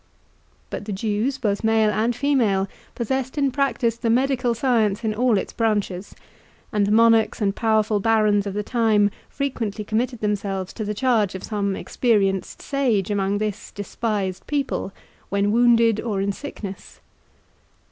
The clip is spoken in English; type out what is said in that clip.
But the Jews, both male and female, possessed and practised the medical science in all its branches, and the monarchs and powerful barons of the time frequently committed themselves to the charge of some experienced sage among this despised people, when wounded or in sickness.